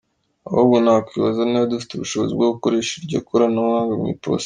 Ahubwo nakwibaza niba dufite ubushobozi bwo gukoresha iryo koranabuhanga mu Iposita.